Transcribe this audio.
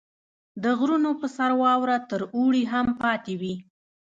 • د غرونو په سر واوره تر اوړي هم پاتې وي.